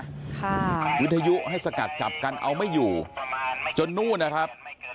ค่ะวิทยุให้สกัดจับกันเอาไม่อยู่จนนู่นนะครับ